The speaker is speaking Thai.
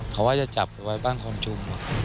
เขาว่าจะจับไว้บ้านคอนชุม